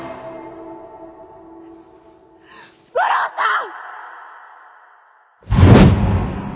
悟郎さん！！